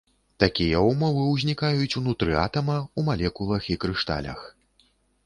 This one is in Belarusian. Такія ўмовы ўзнікаюць ўнутры атама, у малекулах і крышталях.